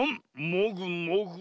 もぐもぐ。